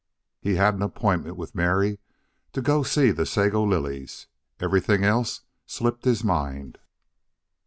He had an appointment with Mary to go to see the sago lilies; everything else slipped his mind.